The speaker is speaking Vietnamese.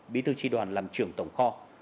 bí thư tri đoàn làm trưởng tổng kho